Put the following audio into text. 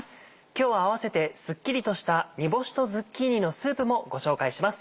今日はあわせてスッキリとした「煮干しとズッキーニのスープ」もご紹介します。